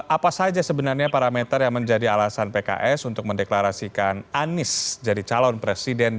apa saja sebenarnya parameter yang menjadi alasan pks untuk mendeklarasikan anis jadi calon presiden dua ribu dua puluh empat